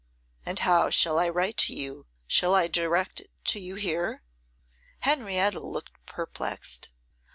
'And how shall I write to you? Shall I direct to you here?' Henrietta looked perplexed.